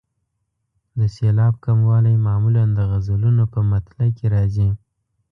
د سېلاب کموالی معمولا د غزلونو په مطلع کې راځي.